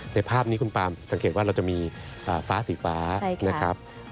ภาพนี้คุณปามสังเกตว่าเราจะมีฟ้าสีฟ้านะครับ